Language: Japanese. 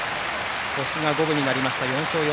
星が五分になりました。